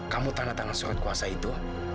kamu tahan tangan surat kuasa itu